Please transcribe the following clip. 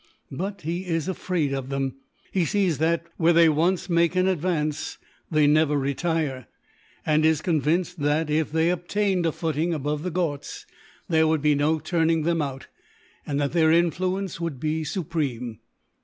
But he is afraid of them. He sees that, where they once make an advance, they never retire; and is convinced that, if they obtained a footing above the Ghauts, there would be no turning them out, and that their influence would be supreme."